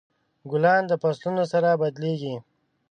ګلان د فصلونو سره بدلیږي.